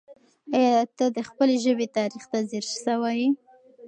آیا ته د خپلې ژبې تاریخ ته ځیر سوی یې؟